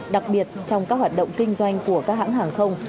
đặc biệt trong các hoạt động kinh doanh của các hãng hàng không